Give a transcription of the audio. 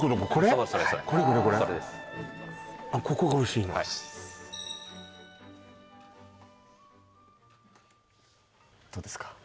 はいどうですか？